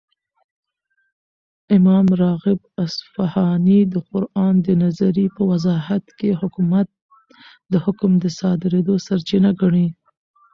،امام راغب اصفهاني دقران دنظري په وضاحت كې حكومت دحكم دصادريدو سرچينه ګڼي